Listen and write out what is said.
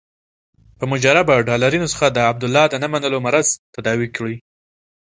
په مجربه ډالري نسخه د عبدالله د نه منلو مرض تداوي کړي.